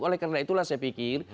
oleh karena itulah saya pikir